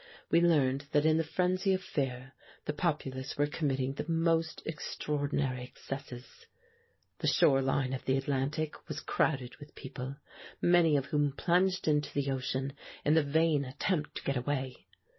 We learned that in the frenzy of fear the populace were committing the most extraordinary excesses. The shore line of the Atlantic was crowded with people, many of whom plunged into the ocean in the vain attempt to get away.